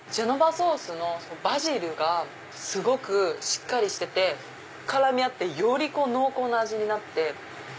ソースのバジルがすごくしっかりしてて絡み合ってより濃厚な味になって。